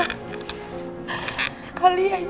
kalau sekarang tidak boleh elsa